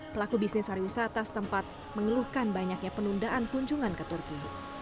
pelaku bisnis hari wisata setempat mengeluhkan banyaknya penundaan kunjungan ke turki